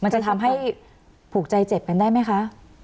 มันจะทำให้ผูกใจเจ็บกันได้ไหมคะ